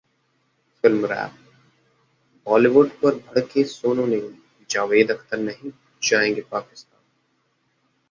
Film Wrap: Bollywood पर भड़के सोनू निगम, जावेद अख्तर नहीं जाएंगे पाकिस्तान